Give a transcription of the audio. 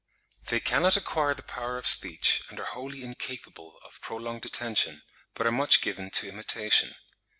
They cannot acquire the power of speech, and are wholly incapable of prolonged attention, but are much given to imitation.